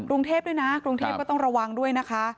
กรุงเทพด้วยนะกรุงเทพก็ต้องระวังด้วยนะคะ